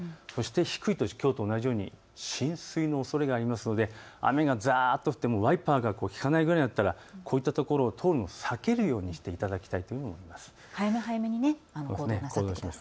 低い土地、きょうと同じように浸水のおそれがありますので雨がざっと降ってワイパーがきかないぐらいになったらこういうところ、通るのを避けるようにしてください。